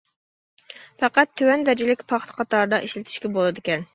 پەقەت تۆۋەن دەرىجىلىك پاختا قاتارىدا ئىشلىتىشكە بولىدىكەن.